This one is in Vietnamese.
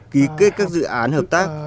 ký kết các dự án hợp tác